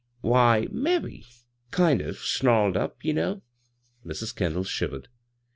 ' "Why, mebbe — kind o' snarled up, ye know." Mrs. Kendall shivered.